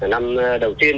năm đầu tiên